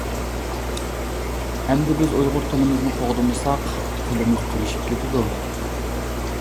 ئەمدى بىز ئۇيغۇر تىلىمىزنى قوغدىمىساق، تىلىمىز تۈگىشىپ كېتىدۇ!